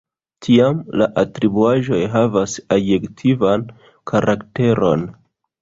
Tiam la atribuaĵoj havas adjektivan karakteron.